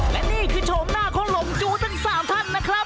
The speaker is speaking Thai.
และนี่คือโฉมหน้าของลมจู๋เป็นสามท่านนะครับ